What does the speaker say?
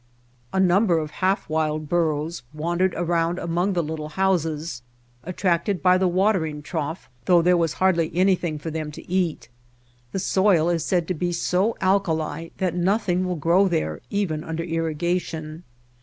A number of half wild burros wandered around among the little houses attracted by the watering trough though there was hardly any thing for them to eat. The soil is said to be so alkalai that nothing will grow there even under irrigation.